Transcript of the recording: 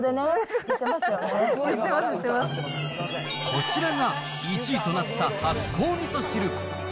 こちらが、１位となった発酵みそ汁。